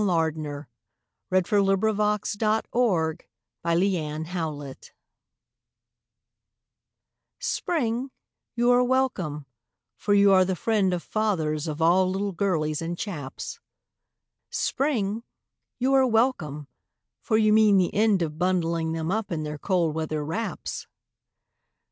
WELCOME TO SPRING Spring, you are welcome, for you are the friend of Fathers of all little girlies and chaps. Spring, you are welcome, for you mean the end of Bundling them up in their cold weather wraps.